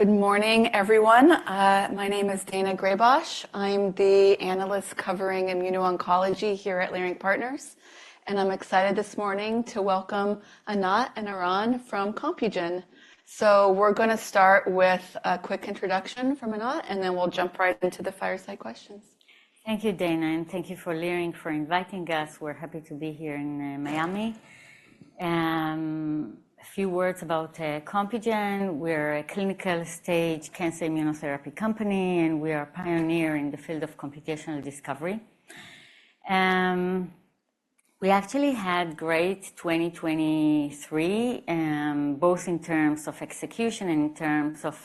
Good morning, everyone. My name is Daina Graybosch. I'm the analyst covering immuno-oncology here at Leerink Partners, and I'm excited this morning to welcome Anat and Eran from Compugen. So we're going to start with a quick introduction from Anat, and then we'll jump right into the fireside questions. Thank you, Daina, and thank you for Leerink for inviting us. We're happy to be here in Miami. A few words about Compugen: we're a clinical-stage cancer immunotherapy company, and we are a pioneer in the field of computational discovery. We actually had a great 2023, both in terms of execution and in terms of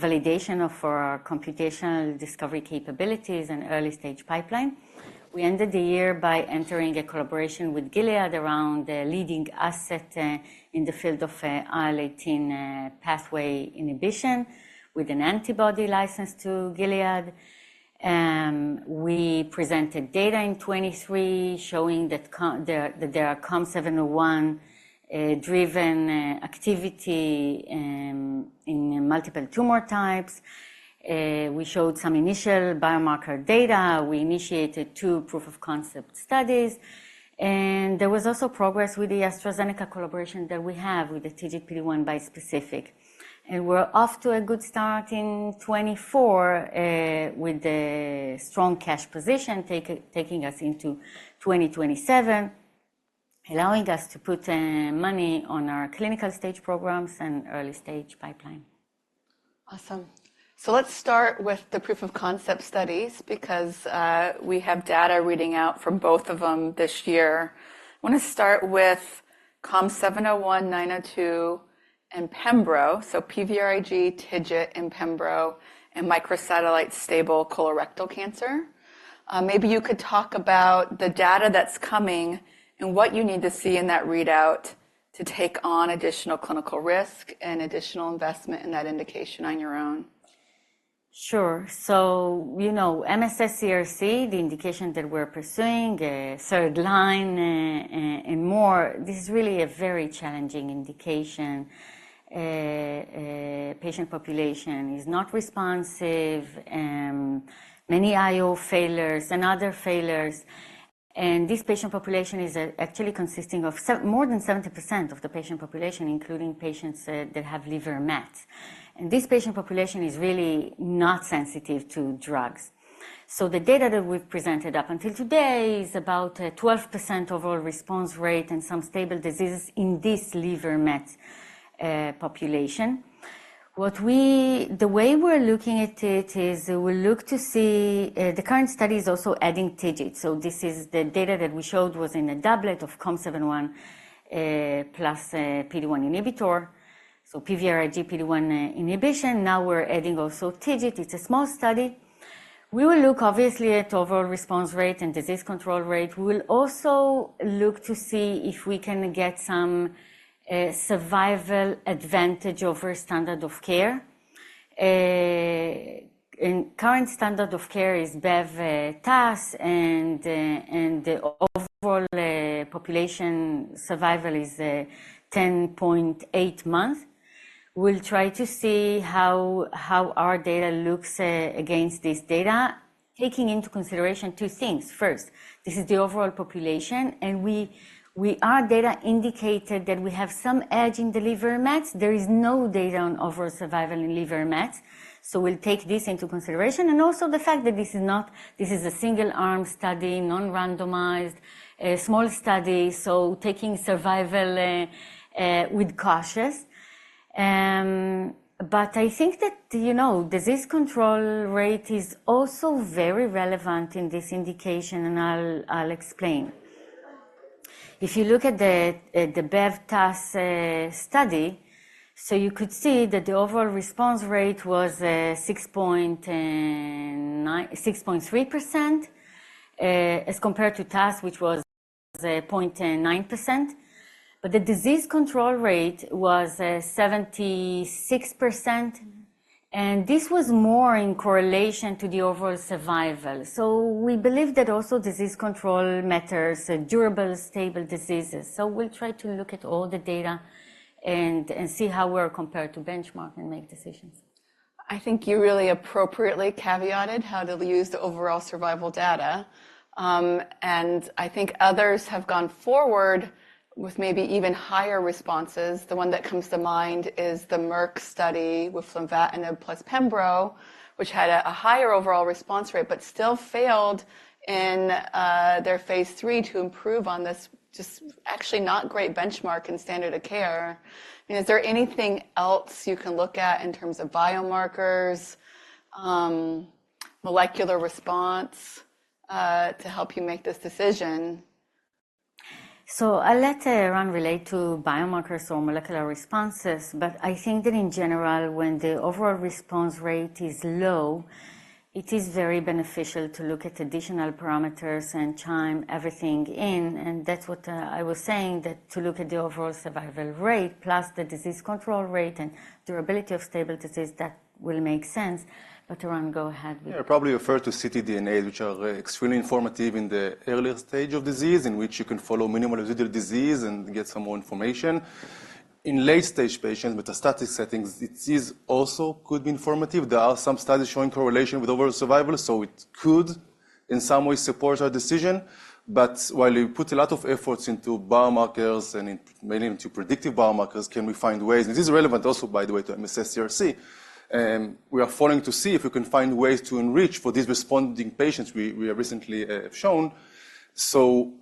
validation of our computational discovery capabilities and early-stage pipeline. We ended the year by entering a collaboration with Gilead around a leading asset in the field of IL-18 pathway inhibition with an antibody licensed to Gilead. We presented data in 2023 showing that COM701-driven activity in multiple tumor types. We showed some initial biomarker data. We initiated two proof-of-concept studies. There was also progress with the AstraZeneca collaboration that we have with the TIGIT/PD-1 bispecific. We're off to a good start in 2024, with a strong cash position taking us into 2027, allowing us to put money on our clinical-stage programs and early-stage pipeline. Awesome. So let's start with the proof-of-concept studies because we have data reading out from both of them this year. I want to start with COM701, COM902, and Pembro, so PVRIG, TIGIT, and Pembro, and microsatellite stable colorectal cancer. Maybe you could talk about the data that's coming and what you need to see in that readout to take on additional clinical risk and additional investment in that indication on your own. Sure. So, you know, MSS-CRC, the indication that we're pursuing, third line, and more, this is really a very challenging indication. Patient population is not responsive, many IO failures and other failures. And this patient population is, actually consisting of more than 70% of the patient population, including patients that have liver met. And this patient population is really not sensitive to drugs. So the data that we've presented up until today is about 12% overall response rate and some stable diseases in this liver met population. What, the way we're looking at it is we'll look to see, the current study is also adding TIGIT. So this is the data that we showed was in a doublet of COM701, plus PD-1 inhibitor, so PVRIG, PD-1 inhibition. Now we're adding also TIGIT. It's a small study. We will look, obviously, at overall response rate and disease control rate. We will also look to see if we can get some survival advantage over standard of care. The current standard of care is Bev, TAS, and the overall population survival is 10.8 months. We'll try to see how our data looks against this data, taking into consideration two things. First, this is the overall population, and we, our data indicated that we have some edge in the liver met. There is no data on overall survival in liver met. So we'll take this into consideration, and also the fact that this is a single-arm study, non-randomized, small study, so taking survival with caution. I think that, you know, disease control rate is also very relevant in this indication, and I'll explain. If you look at the Bev/TAS study, so you could see that the overall response rate was 6.3%, as compared to TAS, which was 0.9%. But the disease control rate was 76%, and this was more in correlation to the overall survival. So we believe that also disease control matters, durable stable disease. So we'll try to look at all the data and see how we're compared to benchmark and make decisions. I think you really appropriately caveated how to use the overall survival data. I think others have gone forward with maybe even higher responses. The one that comes to mind is the Merck study with favezelimab plus Pembro, which had a higher overall response rate but still failed in their phase 3 to improve on this just actually not great benchmark and standard of care. I mean, is there anything else you can look at in terms of biomarkers, molecular response, to help you make this decision? So I'll let Eran relate to biomarkers or molecular responses, but I think that in general, when the overall response rate is low, it is very beneficial to look at additional parameters and chime everything in. And that's what I was saying, that to look at the overall survival rate plus the disease control rate and durability of stable disease, that will make sense. But Eran, go ahead with. Yeah, probably refer to ctDNAs, which are extremely informative in the earlier stage of disease, in which you can follow minimal residual disease and get some more information. In late-stage patients, metastatic settings, it is also could be informative. There are some studies showing correlation with overall survival, so it could in some way support our decision. But while you put a lot of efforts into biomarkers and mainly into predictive biomarkers, can we find ways? And this is relevant also, by the way, to MSS-CRC. We are following to see if we can find ways to enrich for these responding patients we have recently shown. So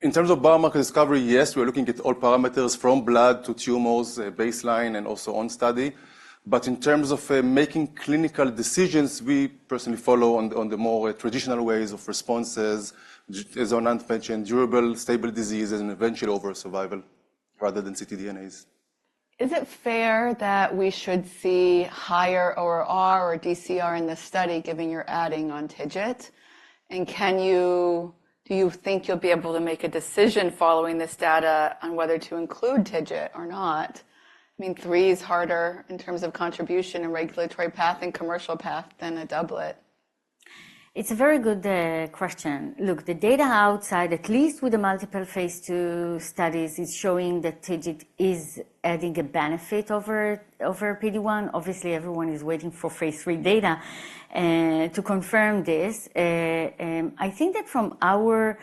in terms of biomarker discovery, yes, we are looking at all parameters from blood to tumors, baseline and also on study. But in terms of making clinical decisions, we personally follow the more traditional ways of responses, as Anat mentioned: durable stable diseases, and eventually overall survival rather than ctDNAs. Is it fair that we should see higher ORR or DCR in this study, given you're adding on TIGIT? And can you think you'll be able to make a decision following this data on whether to include TIGIT or not? I mean, three is harder in terms of contribution and regulatory path and commercial path than a doublet. It's a very good question. Look, the data outside, at least with the multiple phase 2 studies, is showing that TIGIT is adding a benefit over, over PD-1. Obviously, everyone is waiting for phase 3 data, to confirm this. I think that from our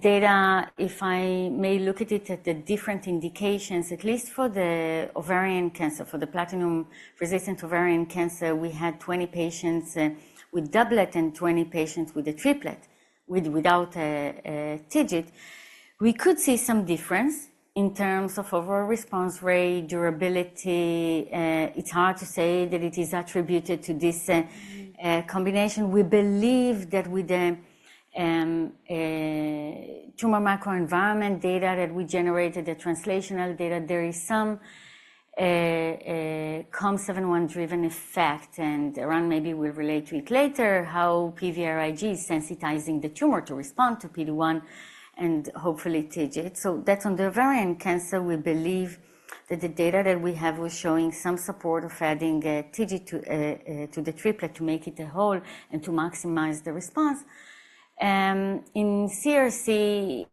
data, if I may look at it at the different indications, at least for the ovarian cancer, for the platinum-resistant ovarian cancer, we had 20 patients, with doublet and 20 patients with a triplet without, TIGIT. We could see some difference in terms of overall response rate, durability. It's hard to say that it is attributed to this, combination. We believe that with the, tumor microenvironment data that we generated, the translational data, there is some, COM701-driven effect. And Eran maybe will relate to it later, how PVRIG is sensitizing the tumor to respond to PD-1 and hopefully TIGIT. So that's on the ovarian cancer. We believe that the data that we have was showing some support of adding TIGIT to the triplet to make it a whole and to maximize the response. In CRC,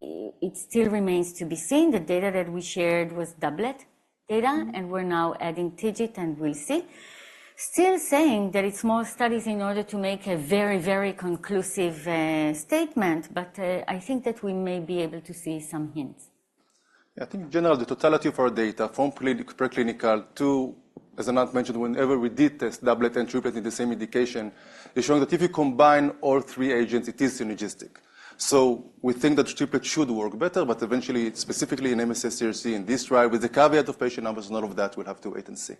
it still remains to be seen. The data that we shared was doublet data, and we're now adding TIGIT, and we'll see. Still saying that it's more studies in order to make a very, very conclusive statement, but I think that we may be able to see some hints. Yeah, I think in general, the totality of our data, from pre-clinical to, as Anat mentioned, whenever we did test doublet and triplet in the same indication, is showing that if you combine all three agents, it is synergistic. So we think that triplet should work better, but eventually, specifically in MSS-CRC in this trial, with the caveat of patient numbers and all of that, we'll have to wait and see.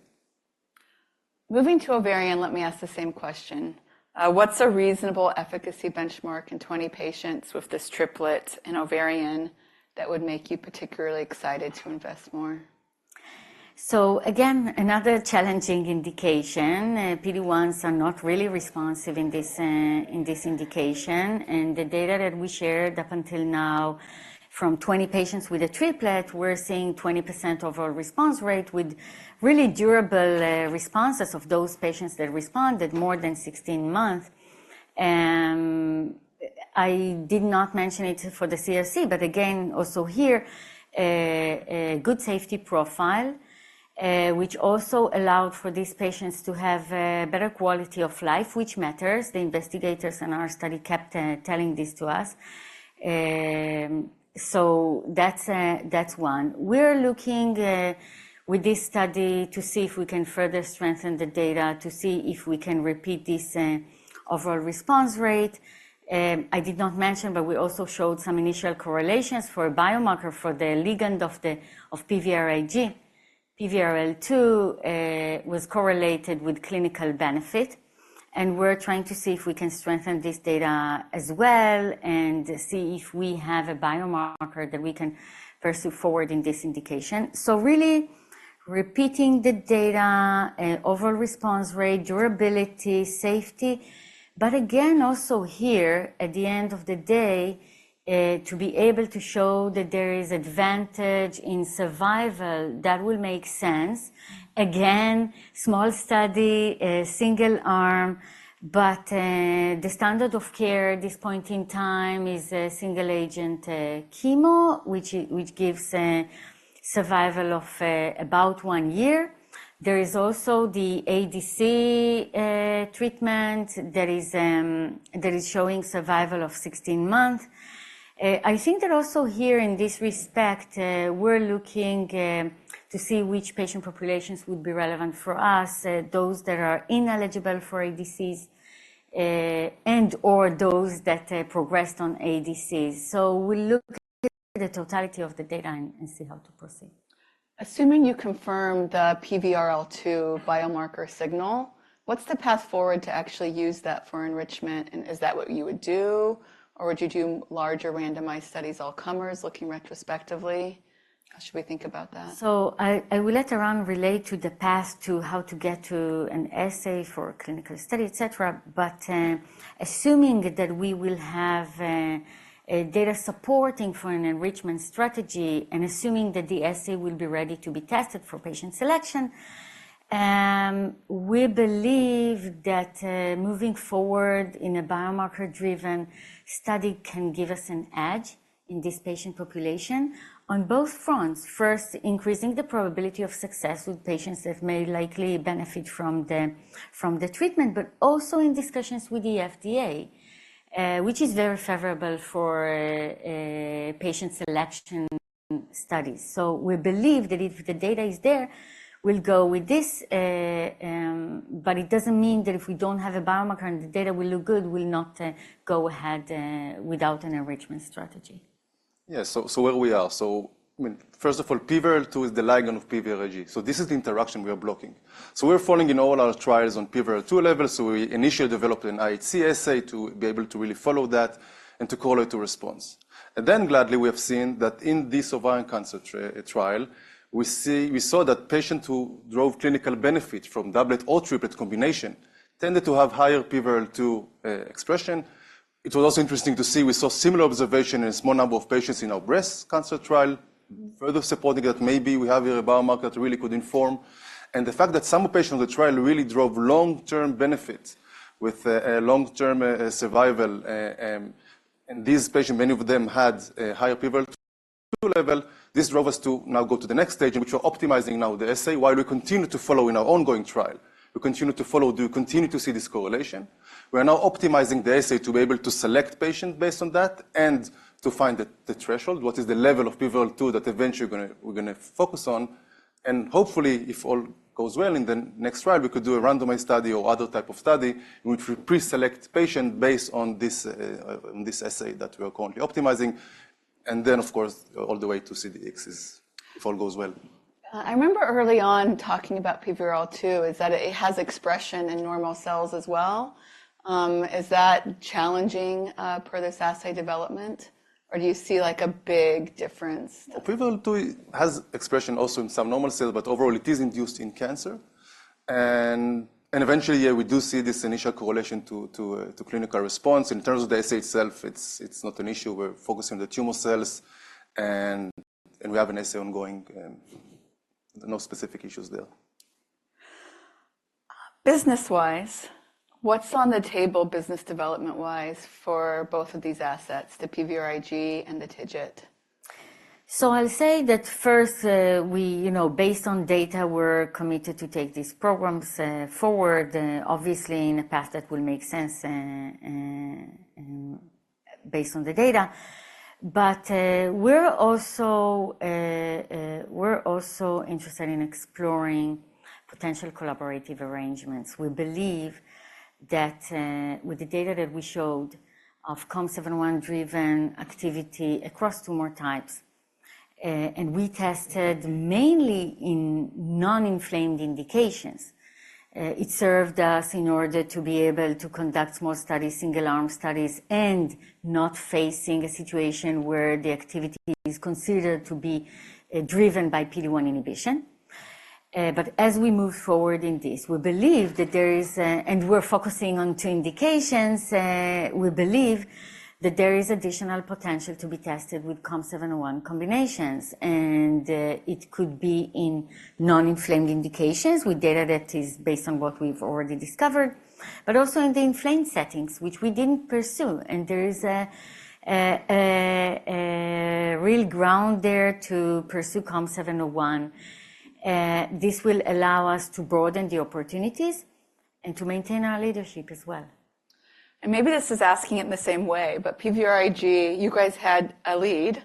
Moving to ovarian, let me ask the same question. What's a reasonable efficacy benchmark in 20 patients with this triplet in ovarian that would make you particularly excited to invest more? So again, another challenging indication, PD-1s are not really responsive in this, in this indication. And the data that we shared up until now from 20 patients with a triplet, we're seeing 20% overall response rate with really durable responses of those patients that responded more than 16 months. I did not mention it for the CRC, but again, also here, good safety profile, which also allowed for these patients to have a better quality of life, which matters. The investigators in our study kept telling this to us. So that's one. We're looking with this study to see if we can further strengthen the data, to see if we can repeat this overall response rate. I did not mention, but we also showed some initial correlations for a biomarker for the ligand of PVRIG. PVRL2 was correlated with clinical benefit. We're trying to see if we can strengthen this data as well and see if we have a biomarker that we can pursue forward in this indication. Really repeating the data, overall response rate, durability, safety. Again, also here, at the end of the day, to be able to show that there is advantage in survival, that will make sense. Again, small study, single-arm, but the standard of care at this point in time is a single-agent chemo, which gives survival of about 1 year. There is also the ADC treatment that is showing survival of 16 months. I think that also here in this respect, we're looking to see which patient populations would be relevant for us, those that are ineligible for ADCs, and/or those that progressed on ADCs. So we'll look at the totality of the data and see how to proceed. Assuming you confirm the PVRL2 biomarker signal, what's the path forward to actually use that for enrichment? And is that what you would do, or would you do larger randomized studies all-comers looking retrospectively? How should we think about that? So I will let Eran relate to the path to how to get to an assay for a clinical study, etc., but assuming that we will have data supporting for an enrichment strategy and assuming that the assay will be ready to be tested for patient selection, we believe that moving forward in a biomarker-driven study can give us an edge in this patient population on both fronts. First, increasing the probability of success with patients that may likely benefit from the treatment, but also in discussions with the FDA, which is very favorable for patient selection studies. So we believe that if the data is there, we'll go with this, but it doesn't mean that if we don't have a biomarker and the data will look good, we'll not go ahead without an enrichment strategy. Yeah, so, so where we are. So, I mean, first of all, PVRL2 is the ligand of PVRIG. So this is the interaction we are blocking. So we're following in all our trials on PVRL2 levels. So we initially developed an IHC assay to be able to really follow that and to correlate to response. And then gladly, we have seen that in this ovarian cancer trial, we see we saw that patients who drove clinical benefit from doublet or triplet combination tended to have higher PVRL2 expression. It was also interesting to see we saw similar observation in a small number of patients in our breast cancer trial, further supporting that maybe we have here a biomarker that really could inform. And the fact that some patients on the trial really drove long-term benefit with long-term survival, and these patients, many of them had higher PVRL2 level, this drove us to now go to the next stage, in which we're optimizing now the assay while we continue to follow in our ongoing trial. We continue to follow do continue to see this correlation. We are now optimizing the assay to be able to select patients based on that and to find the threshold, what is the level of PVRL2 that eventually we're gonna we're gonna focus on. And hopefully, if all goes well in the next trial, we could do a randomized study or other type of study in which we preselect patients based on this, on this assay that we are currently optimizing. And then, of course, all the way to CDx is if all goes well. I remember early on talking about PVRL2, is that it has expression in normal cells as well? Is that challenging, per this assay development, or do you see, like, a big difference? Well, PVRL2 has expression also in some normal cells, but overall, it is induced in cancer. Eventually, yeah, we do see this initial correlation to clinical response. In terms of the assay itself, it's not an issue. We're focusing on the tumor cells, and we have an assay ongoing, no specific issues there. Business-wise, what's on the table business development-wise for both of these assets, the PVRIG and the TIGIT? So I'll say that first, we, you know, based on data, we're committed to take these programs forward, obviously, in a path that will make sense, based on the data. But, we're also, we're also interested in exploring potential collaborative arrangements. We believe that, with the data that we showed of COM701-driven activity across tumor types, and we tested mainly in non-inflamed indications, it served us in order to be able to conduct small studies, single-arm studies, and not facing a situation where the activity is considered to be driven by PD-1 inhibition. But as we move forward in this, we believe that there is, and we're focusing on two indications. We believe that there is additional potential to be tested with COM701 combinations. It could be in non-inflamed indications with data that is based on what we've already discovered, but also in the inflamed settings, which we didn't pursue. There is a real ground there to pursue COM701. This will allow us to broaden the opportunities and to maintain our leadership as well. And maybe this is asking it in the same way, but PVRIG, you guys had a lead,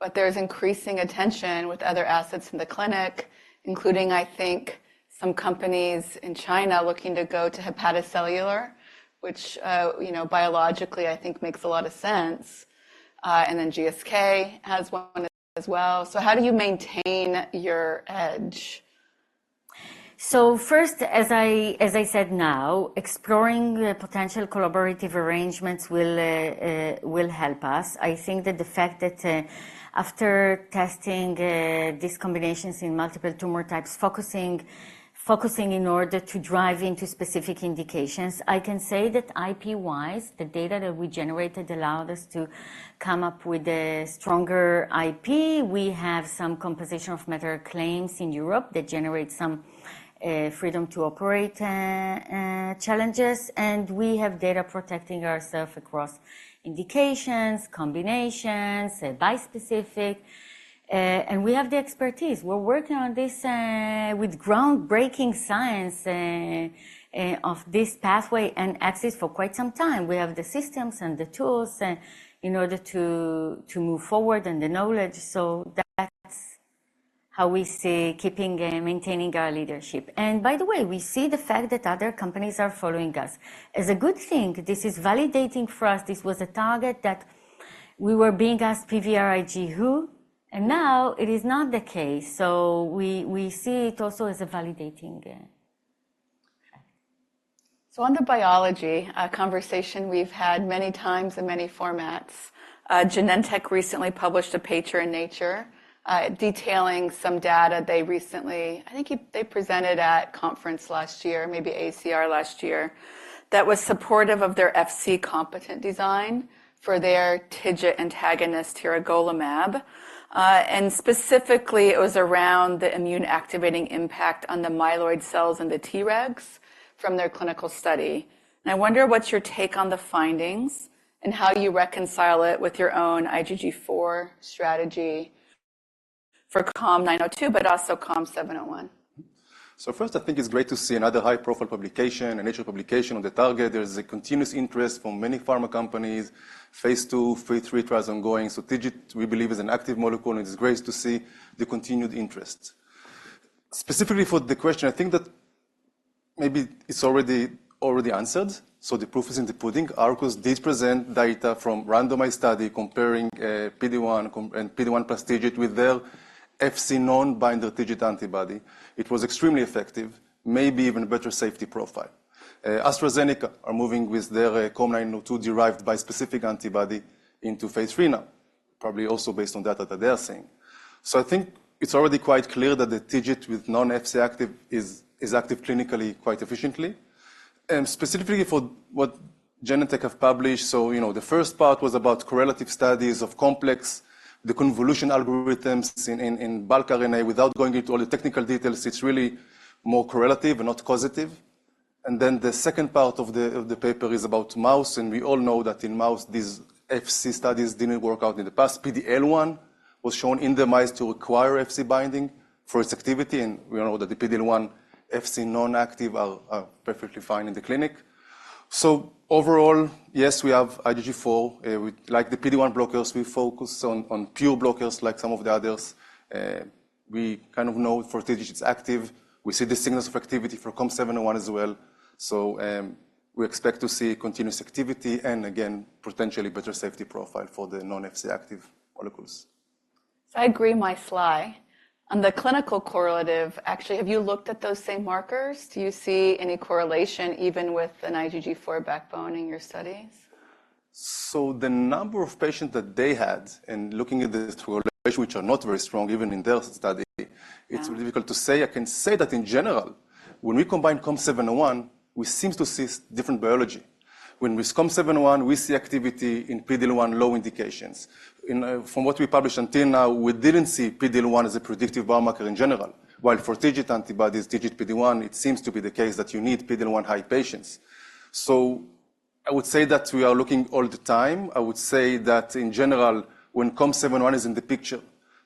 but there's increasing attention with other assets in the clinic, including, I think, some companies in China looking to go to hepatocellular, which, you know, biologically, I think, makes a lot of sense. And then GSK has one as well. So how do you maintain your edge? So first, as I said now, exploring the potential collaborative arrangements will help us. I think that the fact that, after testing, these combinations in multiple tumor types, focusing in order to drive into specific indications, I can say that IP-wise, the data that we generated allowed us to come up with a stronger IP. We have some composition of matter claims in Europe that generate some freedom to operate challenges. And we have data protecting ourselves across indications, combinations, bispecific, and we have the expertise. We're working on this, with groundbreaking science, of this pathway and axis for quite some time. We have the systems and the tools, in order to move forward and the knowledge. So that's how we see maintaining our leadership. And by the way, we see the fact that other companies are following us. It's a good thing. This is validating for us. This was a target that we were being asked, "PVRIG, who?" And now it is not the case. So we see it also as a validating. Okay. So on the biology, conversation we've had many times in many formats. Genentech recently published a paper in Nature, detailing some data they recently I think you they presented at a conference last year, maybe AACR last year, that was supportive of their Fc-competent design for their TIGIT antagonist, tiragolumab. And specifically, it was around the immune-activating impact on the myeloid cells and the Tregs from their clinical study. And I wonder what's your take on the findings and how you reconcile it with your own IgG4 strategy for COM902, but also COM701. So first, I think it's great to see another high-profile publication, a Nature publication, on the target. There's a continuous interest from many pharma companies, phase 2, phase 3, trials ongoing. So TIGIT, we believe, is an active molecule, and it's great to see the continued interest. Specifically for the question, I think that maybe it's already answered. So the proof is in the pudding. Arcus did present data from randomized study comparing PD-1 combo and PD-1 plus TIGIT with their Fc non-binder TIGIT antibody. It was extremely effective, maybe even a better safety profile. AstraZeneca are moving with their COM902-derived bispecific antibody into phase 3 now, probably also based on data that they are seeing. So I think it's already quite clear that the TIGIT with non-Fc active is active clinically quite efficiently. Specifically for what Genentech have published, so, you know, the first part was about correlative studies of complex, the convolution algorithms in bulk RNA. Without going into all the technical details, it's really more correlative and not causative. And then the second part of the paper is about mouse. And we all know that in mouse, these Fc studies didn't work out in the past. PD-L1 was shown in the mice to require Fc binding for its activity. And we all know that the PD-L1 Fc non-active are perfectly fine in the clinic. So overall, yes, we have IgG4. We like the PD-1 blockers. We focus on pure blockers like some of the others. We kind of know for TIGIT, it's active. We see the signals of activity for COM701 as well. So, we expect to see continuous activity and, again, potentially better safety profile for the non-Fc active molecules. So I agree, myself. On the clinical correlates, actually, have you looked at those same markers? Do you see any correlation even with an IgG4 backbone in your studies? So the number of patients that they had, and looking at the correlation, which are not very strong even in their study, it's really difficult to say. I can say that in general, when we combine COM701, we seem to see different biology. When we see COM701, we see activity in PD-L1 low indications. In, from what we published until now, we didn't see PD-L1 as a predictive biomarker in general. While for TIGIT antibodies, TIGIT PD-1, it seems to be the case that you need PD-L1 high patients. So I would say that we are looking all the time. I would say that in general, when COM701 is in the picture,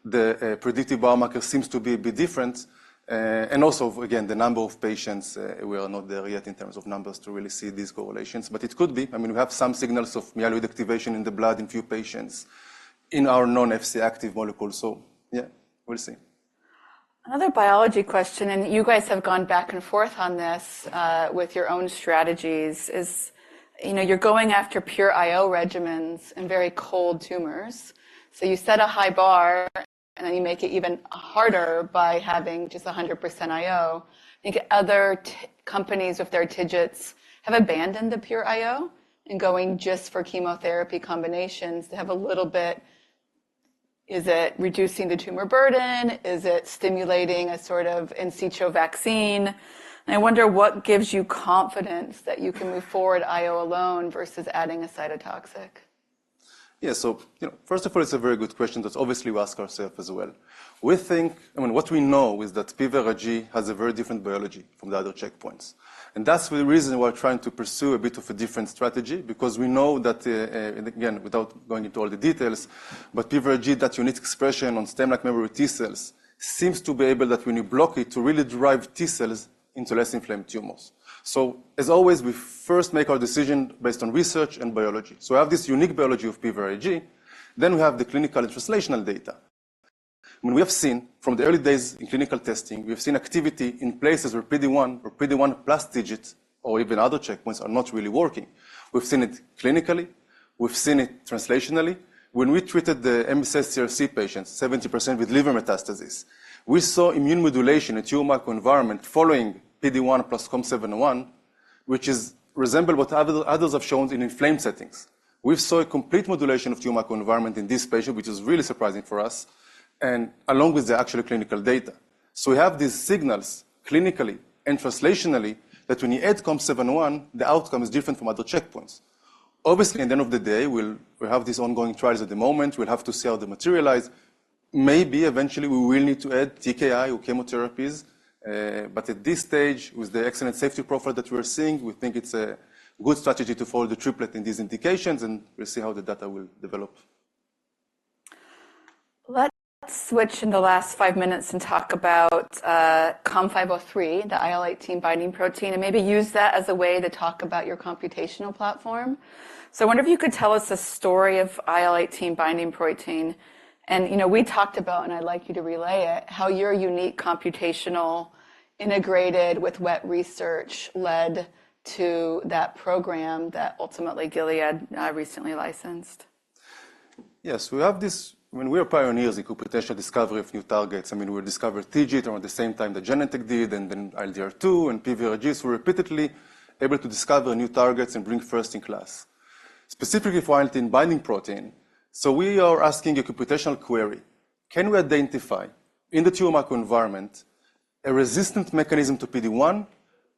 the, predictive biomarker seems to be a bit different. And also, again, the number of patients, we are not there yet in terms of numbers to really see these correlations. But it could be. I mean, we have some signals of myeloid activation in the blood in few patients in our non-FC active molecule. So yeah, we'll see. Another biology question, and you guys have gone back and forth on this, with your own strategies, is, you know, you're going after pure IO regimens in very cold tumors. So you set a high bar, and then you make it even harder by having just 100% IO. I think other companies, with their TIGITs, have abandoned the pure IO and going just for chemotherapy combinations. They have a little bit: is it reducing the tumor burden? Is it stimulating a sort of in situ vaccine? And I wonder what gives you confidence that you can move forward IO alone versus adding a cytotoxic? Yeah, so, you know, first of all, it's a very good question that obviously we ask ourselves as well. We think I mean, what we know is that PVRIG has a very different biology from the other checkpoints. And that's the reason we are trying to pursue a bit of a different strategy because we know that, and again, without going into all the details, but PVRIG, that unique expression on stem-like memory T cells seems to be able to, when you block it, really drive T cells into less inflamed tumors. So as always, we first make our decision based on research and biology. So we have this unique biology of PVRIG. Then we have the clinical and translational data. I mean, we have seen from the early days in clinical testing, we have seen activity in places where PD-1 or PD-1 plus TIGIT or even other checkpoints are not really working. We've seen it clinically. We've seen it translationally. When we treated the MSS-CRC patients, 70% with liver metastasis, we saw immune modulation in tumor microenvironment following PD-1 plus COM701, which resembles what others, others have shown in inflamed settings. We saw a complete modulation of tumor microenvironment in this patient, which is really surprising for us, and along with the actual clinical data. So we have these signals clinically and translationally that when you add COM701, the outcome is different from other checkpoints. Obviously, at the end of the day, we'll have these ongoing trials at the moment. We'll have to see how they materialize. Maybe eventually, we will need to add TKI or chemotherapies. At this stage, with the excellent safety profile that we are seeing, we think it's a good strategy to follow the triplet in these indications, and we'll see how the data will develop. Let's switch in the last five minutes and talk about COM503, the IL-18 binding protein, and maybe use that as a way to talk about your computational platform. So I wonder if you could tell us the story of IL-18 binding protein. And, you know, we talked about, and I'd like you to relay it, how your unique computational integrated with wet research led to that program that ultimately Gilead recently licensed. Yes, we have this when we are pioneers in computational discovery of new targets. I mean, we discovered TIGIT around the same time that Genentech did and then ILDR2 and PVRIG, so we're repeatedly able to discover new targets and bring first in class. Specifically for IL-18 binding protein, so we are asking a computational query. Can we identify in the tumor microenvironment a resistant mechanism to PD-1,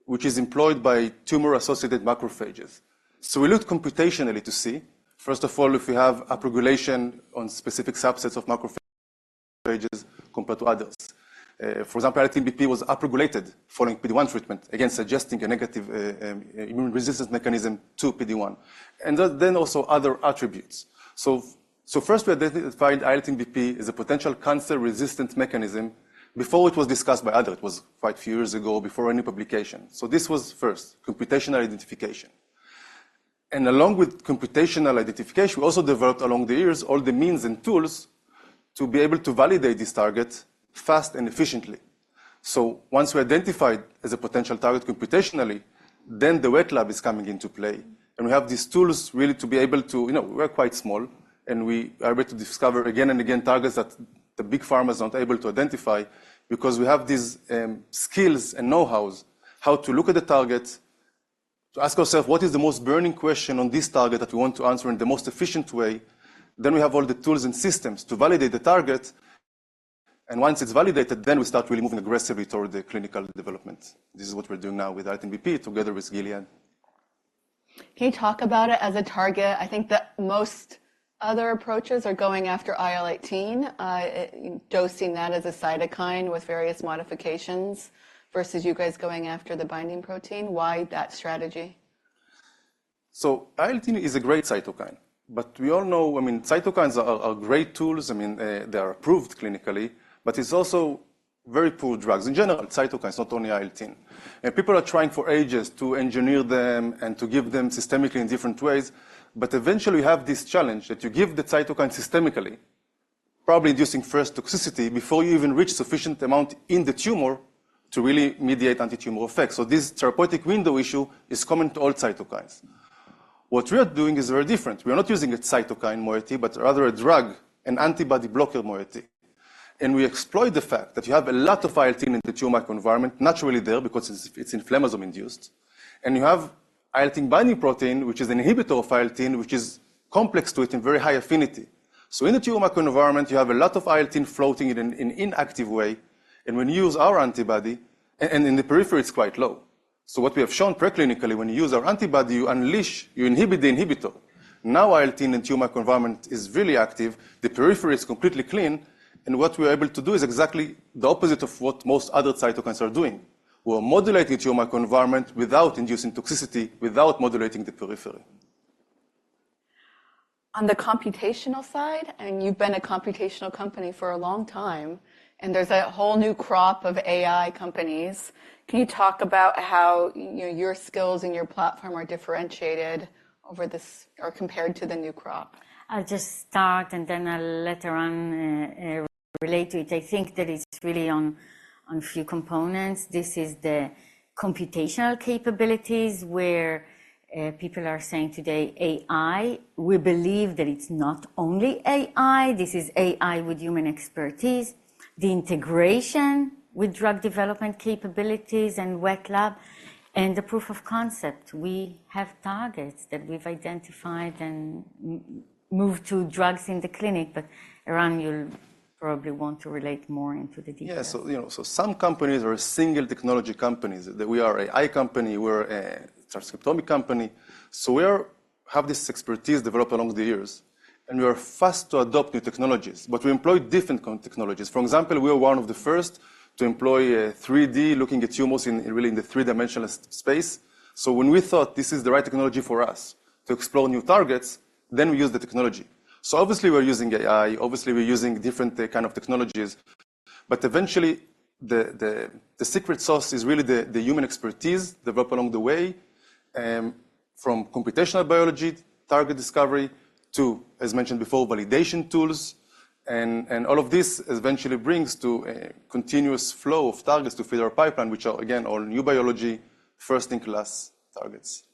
which is employed by tumor-associated macrophages? So we looked computationally to see, first of all, if we have upregulation on specific subsets of macrophages compared to others. For example, IL-18BP was upregulated following PD-1 treatment, again, suggesting a negative, immune resistance mechanism to PD-1, and then also other attributes. So, so first, we identified IL-18BP as a potential cancer-resistant mechanism before it was discussed by others. It was quite a few years ago before any publication. So this was first, computational identification. Along with computational identification, we also developed along the years all the means and tools to be able to validate this target fast and efficiently. So once we identified as a potential target computationally, then the wet lab is coming into play. And we have these tools really to be able to, you know, we're quite small, and we are able to discover again and again targets that the big pharma is not able to identify because we have these skills and know-hows, how to look at the target, to ask ourselves, "What is the most burning question on this target that we want to answer in the most efficient way?" Then we have all the tools and systems to validate the target. And once it's validated, then we start really moving aggressively toward the clinical development. This is what we're doing now with IL-18BP together with Gilead. Can you talk about it as a target? I think that most other approaches are going after IL-18, you know, dosing that as a cytokine with various modifications versus you guys going after the binding protein. Why that strategy? So IL-18 is a great cytokine. But we all know, I mean, cytokines are great tools. I mean, they are approved clinically, but it's also very poor drugs in general, cytokines, not only IL-18. And people are trying for ages to engineer them and to give them systemically in different ways. But eventually, we have this challenge that you give the cytokine systemically, probably inducing first toxicity before you even reach sufficient amount in the tumor to really mediate anti-tumor effects. So this therapeutic window issue is common to all cytokines. What we are doing is very different. We are not using a cytokine moiety, but rather a drug, an antibody blocker moiety. And we exploit the fact that you have a lot of IL-18 in the tumor microenvironment naturally there because it's inflammasome-induced. You have IL-18 binding protein, which is an inhibitor of IL-18, which is complex to it in very high affinity. So in the tumor microenvironment, you have a lot of IL-18 floating in an inactive way. And when you use our antibody, in the periphery, it's quite low. So what we have shown preclinically, when you use our antibody, you unleash, you inhibit the inhibitor. Now IL-18 in the tumor microenvironment is really active. The periphery is completely clean. And what we are able to do is exactly the opposite of what most other cytokines are doing. We're modulating the tumor microenvironment without inducing toxicity, without modulating the periphery. On the computational side, and you've been a computational company for a long time, and there's a whole new crop of AI companies, can you talk about how, you know, your skills and your platform are differentiated over this or compared to the new crop? I'll just start, and then I'll later on relate to it. I think that it's really on a few components. This is the computational capabilities where people are saying today, "AI, we believe that it's not only AI. This is AI with human expertise, the integration with drug development capabilities and wet lab, and the proof of concept." We have targets that we've identified and moved to drugs in the clinic. But, Eran, you'll probably want to relate more into the details. Yeah, so, you know, so some companies are single technology companies. We are an AI company. We're a transcriptomic company. So we are have this expertise developed along the years. And we are fast to adopt new technologies, but we employ different co-technologies. For example, we are one of the first to employ 3D looking at tumors in really in the three-dimensional space. So when we thought this is the right technology for us to explore new targets, then we used the technology. So obviously, we're using AI. Obviously, we're using different, kind of technologies. But eventually, the secret sauce is really the human expertise developed along the way, from computational biology, target discovery to, as mentioned before, validation tools. And all of this eventually brings to a continuous flow of targets to feed our pipeline, which are, again, all new biology, first-in-class targets.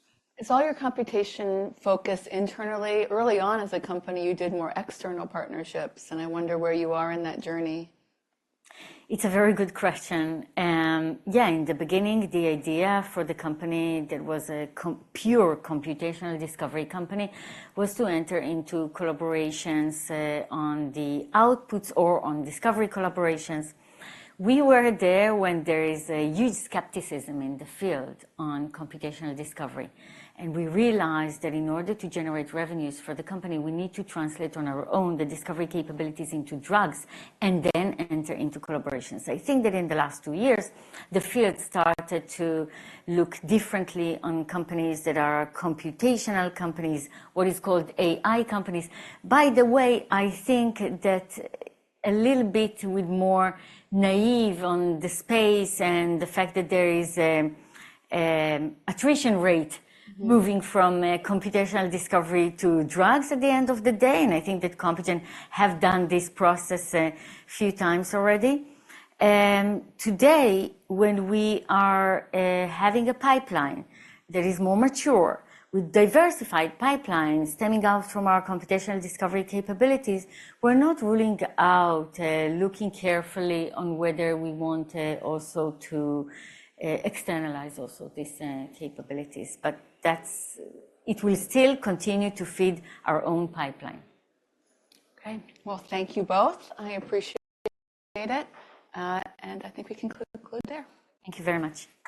Is all your computation focused internally? Early on as a company, you did more external partnerships. I wonder where you are in that journey. It's a very good question. Yeah, in the beginning, the idea for the company that was a compute-pure computational discovery company was to enter into collaborations, on the outputs or on discovery collaborations. We were there when there is a huge skepticism in the field on computational discovery. And we realized that in order to generate revenues for the company, we need to translate on our own the discovery capabilities into drugs and then enter into collaborations. I think that in the last two years, the field started to look differently on companies that are computational companies, what is called AI companies. By the way, I think that a little bit with more naïve on the space and the fact that there is an attrition rate moving from computational discovery to drugs at the end of the day. And I think that Compugen have done this process, a few times already. Today, when we are having a pipeline that is more mature, with diversified pipelines stemming out from our computational discovery capabilities, we're not ruling out, looking carefully on whether we want also to externalize also these capabilities. But that's it will still continue to feed our own pipeline. Okay. Well, thank you both. I appreciate it. I think we can conclude there. Thank you very much.